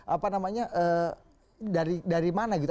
apa namanya dari mana gitu